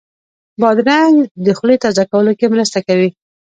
بادرنګ د خولې تازه کولو کې مرسته کوي.